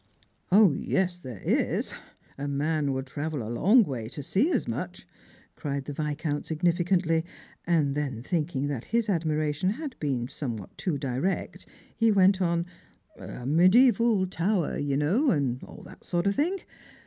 " 0, yes, there is : a man would travel a long way to see as much," cried the Viscount significantly; and then thinking that his admiration had been somewhat too direct, he went on —" a mediaeval tower, you know, and all that kind of thing.